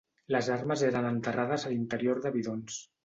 Les armes eren enterrades a l’interior de bidons.